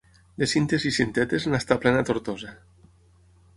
De Cintes i Cintetes n'està plena Tortosa.